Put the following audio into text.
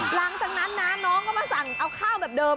หลังจากนั้นนะน้องก็มาสั่งเอาข้าวแบบเดิม